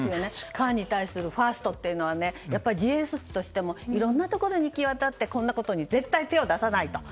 ファンに対するファーストというのは、自衛措置としてもいろんなところに行き渡ってこんなことに絶対に手を出さない。